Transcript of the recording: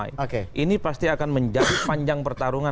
ini pasti akan menjadi panjang pertarungan